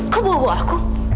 kok bawa bawa aku